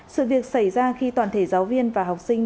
sự việc xảy ra khi toàn thể giáo viên và học sinh